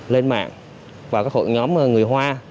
lên mạng và các hội nhóm người hoa